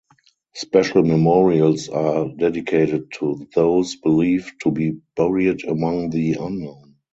Special memorials are dedicated to those believed to be buried among the unknown.